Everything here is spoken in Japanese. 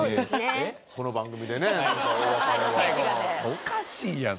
おかしいやん！